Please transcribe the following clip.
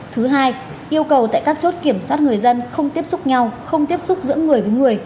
thứ hai yêu cầu tại các chốt kiểm soát người dân không tiếp xúc nhau không tiếp xúc giữa người với người